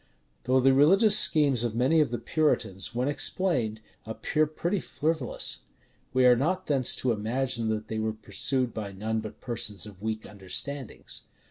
Though the religious schemes of many of the Puritans, when explained, appear pretty frivolous, we are not thence to imagine that they were pursued by none but persons of weak understandings.